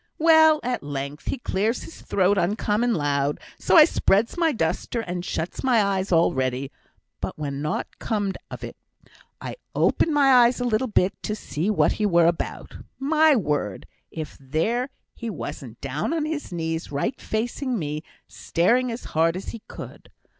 Well! at length he clears his throat uncommon loud; so I spreads my duster, and shuts my eyes all ready; but when nought comed of it, I opened my eyes a little bit to see what he were about. My word! if there he wasn't down on his knees right facing me, staring as hard as he could.